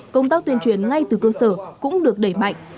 công tác tuyên truyền ngay từ cơ sở cũng được đẩy mạnh